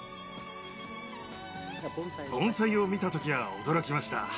盆栽を見たときは驚きました。